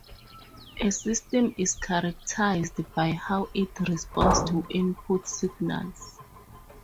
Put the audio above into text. A system is characterized by how it responds to input signals.